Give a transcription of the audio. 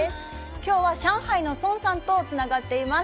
きょうは上海の孫さんとつながっています。